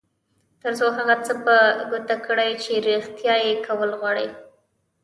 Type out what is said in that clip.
تر څو هغه څه په ګوته کړئ چې رېښتيا یې کول غواړئ.